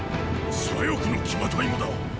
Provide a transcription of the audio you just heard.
左翼の騎馬隊もだ！